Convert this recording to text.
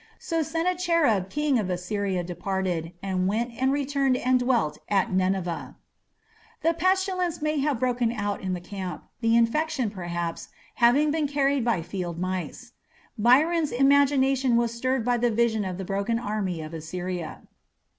So Sennacherib king of Assyria departed, and went and returned and dwelt at Nineveh. A pestilence may have broken out in the camp, the infection, perhaps, having been carried by field mice. Byron's imagination was stirred by the vision of the broken army of Assyria.